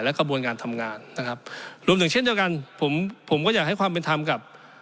กระบวนการทำงานนะครับรวมถึงเช่นเดียวกันผมผมก็อยากให้ความเป็นธรรมกับ